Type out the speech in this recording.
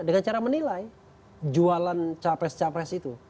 dengan cara menilai jualan capres capres itu